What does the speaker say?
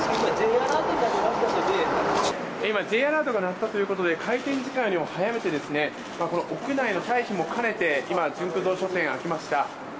今、Ｊアラートが鳴ったということで開店時間を早めて、屋内の退避も兼ねて今、ジュンク堂書店が開きました。